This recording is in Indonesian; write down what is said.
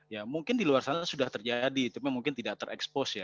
ya mungkin di luar sana sudah terjadi tapi mungkin tidak terekspos ya